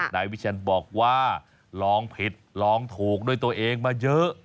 นายวิชันบอกว่าลองผิดลองถูกด้วยตัวเองมาเยอะ